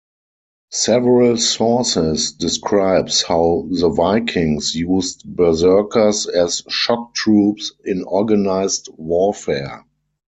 Several sources describes how the Vikings used berserkers as shock troops in organized warfare.